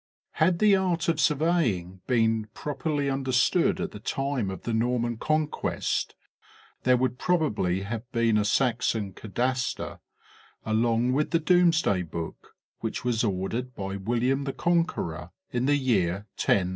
Had the art of survey ing been properly understood at the time of the Norman conquest there would probably have been a Saxon cadastre along with the Domesday Book, which was ordered by William the Con querer in the year 1085.